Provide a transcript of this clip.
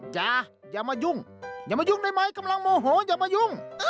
อย่ามายุ่งอย่ามายุ่งได้ไหมกำลังโมโหอย่ามายุ่ง